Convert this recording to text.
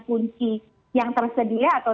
kunci yang tersedia atau